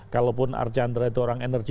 kalaupun archandra itu orang energi